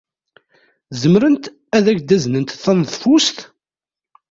Zemrent ad ak-d-aznent taneḍfust?